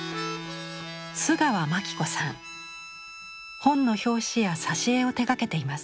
本の表紙や挿絵を手がけています。